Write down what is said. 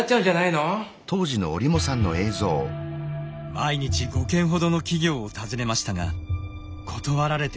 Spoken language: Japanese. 毎日５軒ほどの企業を訪ねましたが断られてばかり。